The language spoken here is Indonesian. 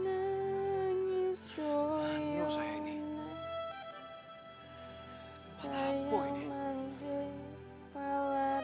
dan dia akan menuntut balas